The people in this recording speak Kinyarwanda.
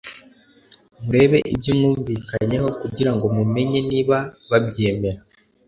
Murebe ibyo mwumvikanyeho kugira ngo mumenye niba babyemera